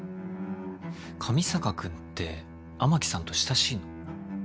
上坂君って雨樹さんと親しいの？